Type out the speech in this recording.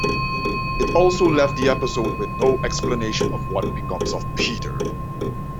It also left the episode with no explanation of what becomes of Peter.